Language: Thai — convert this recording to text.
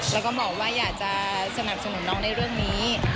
แล้วก็บอกว่าอยากจะสนับสนุนน้องในเรื่องนี้